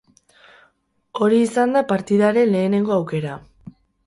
Hori izan da partidaren lehenengo aukera.